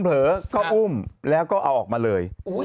เผลอก็อุ้มแล้วก็เอาออกมาเลย